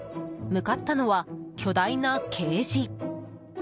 向かったのは巨大なケージ。